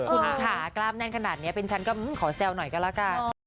คุณค่ะกล้ามแน่นขนาดนี้เป็นฉันก็ขอแซวหน่อยก็แล้วกัน